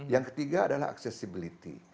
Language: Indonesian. yang ketiga adalah accessibility